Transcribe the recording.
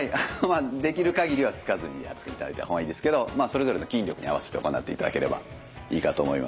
できる限りはつかずにやっていただいた方がいいんですけどまあそれぞれの筋力に合わせて行っていただければいいかと思います。